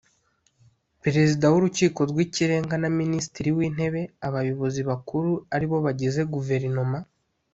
Perezida w’Urukiko rw’Ikirenga na Minisitiri w’Intebe; abayobozi bakuru ari bo abagize Guverinoma